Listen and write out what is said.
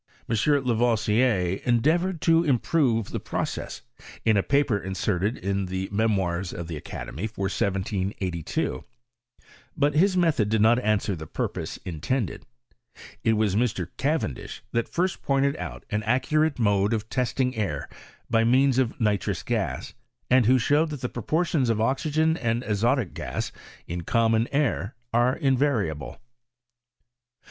M. La voisier endeavoured to improve the process, in a. paper inserted in the Memoirs of the Academy, for 1782; but his method did not answer the purpose intended : it was Mr. Cavendish that first pointed out an accurate mode of testing air by means of ni trous gas, and who showed that the proportions of oxygen and azotic gas in common air are invariable.